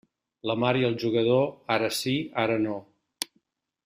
La mar i el jugador, ara sí, ara no.